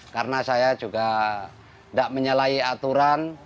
karena saya juga enggak menyalahi aturan